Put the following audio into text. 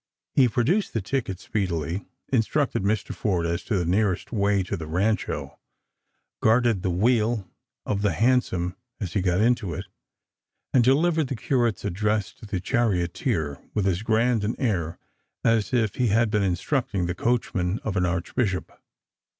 He produced the ticket speedily, instructed Mr. Forde as to the nearest way to the Rancho, guarded the wheel of the hansom as he got into it, and delivered the Curate's address to the charioteer with as grand an air as if he had been instructing the coachman of an archbishop.